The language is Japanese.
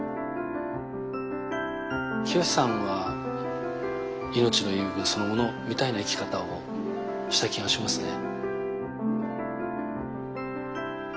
季良さんは命の言い分そのものみたいな生き方をした気がしますね。